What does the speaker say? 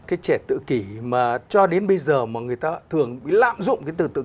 cái trẻ tự kỷ mà cho đến bây giờ mà người ta thường lạm dụng cái từ tự kỷ